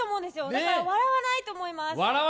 だから笑わないと思います。